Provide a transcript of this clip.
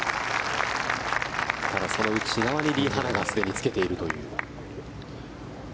ただ、その内側にリ・ハナがすでにつけているという。